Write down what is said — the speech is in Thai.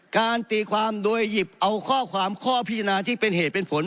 ตีความโดยหยิบเอาข้อความข้อพิจารณาที่เป็นเหตุเป็นผล